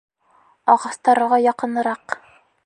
Ағастарға яҡыныраҡ!